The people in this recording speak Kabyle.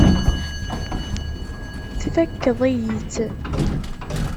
Tfakkeḍ-iyi-tt.